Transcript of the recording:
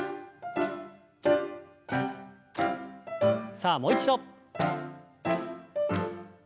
さあもう一度。